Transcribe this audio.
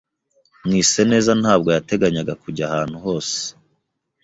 Mwiseneza ntabwo yateganyaga kujya ahantu hose.